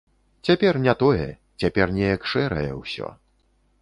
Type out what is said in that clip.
Цяпер не тое, цяпер неяк шэрае ўсё.